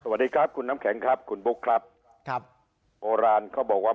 สวัสดีครับคุณน้ำแข็งครับคุณบุ๊คครับครับโบราณเขาบอกว่า